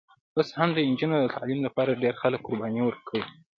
اوس هم د نجونو د تعلیم لپاره ډېر خلک قربانۍ ورکړي.